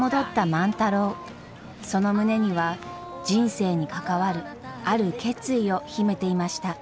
その胸には人生に関わるある決意を秘めていました。